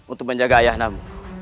untuk menjaga ayah namu